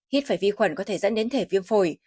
hít phải vi khuẩn có thể dẫn đến thể viêm phổi